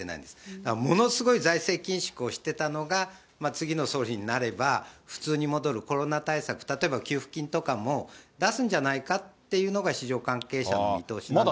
だからものすごい財政緊縮をしてたのが、次の総理になれば、普通に戻る、コロナ対策、例えば給付金とかも出すんじゃないかっていうのが、市場関係者の見通しなんですよね。